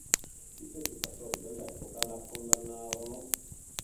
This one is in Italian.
Gli stessi pastori dell'epoca la condannarono.